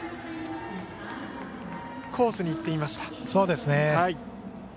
コースにいっていました。